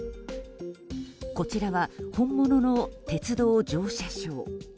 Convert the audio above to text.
こちらは、本物の鉄道乗車証。